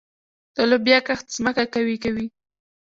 د لوبیا کښت ځمکه قوي کوي.